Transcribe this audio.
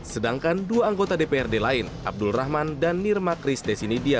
sedangkan dua anggota dprd lain abdul rahman dan nirma kris desinidia